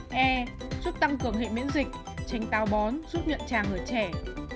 giúp tăng cường hệ miễn dịch tránh tào bón giúp nhuận tràng ở trẻ